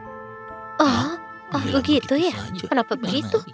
begitu ya kenapa begitu